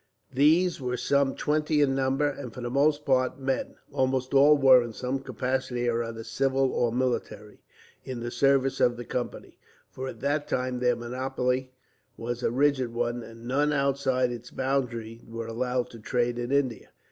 These were some twenty in number, and for the most part men. Almost all were, in some capacity or other, civil or military, in the service of the Company; for at that time their monopoly was a rigid one, and none outside its boundary were allowed to trade in India.